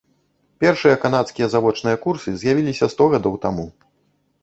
Першыя канадскія завочныя курсы з'явіліся сто гадоў таму.